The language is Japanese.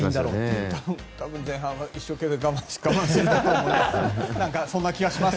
多分、前半は一生懸命我慢するんだろうと思います。